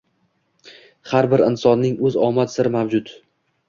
Har bir insonning õz omad siri mavjud